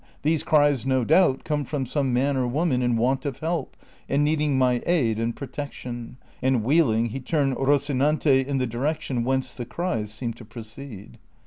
These cries, no doubt, come from some man or woman in want of help, and needing my aid and protection ;" and wheeling, he turned Eocinante in the direction whence the cries seemed to proceed.